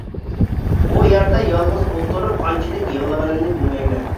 ئۇ يەردە يالغۇز ئولتۇرۇپ قانچىلىك يىغلىغىنىمنى بىلمەيمەن.